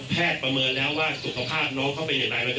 แพทย์ประเมินแล้วว่าสุขภาพน้องเขาเป็นยังไงเราจะ